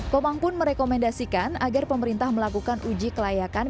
komang pun merekomendasikan agar pemerintah melakukan uji kelayakan